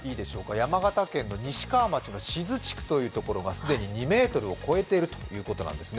山形県の西川町の志津地区というところが既に２ｍを超えているということなんですね。